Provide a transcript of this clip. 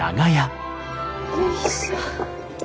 よいしょ。